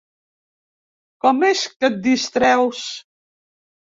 Com es que et distreus?